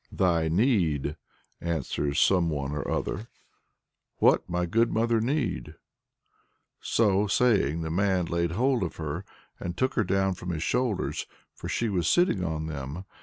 "'Thy Need,' answers some one or other. "'What, my good mother Need!' "So saying the man laid hold of her, and took her down from his shoulders for she was sitting on them.